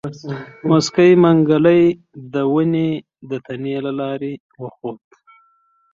موسکی منګلی د ونې د تنې له لارې وخوت.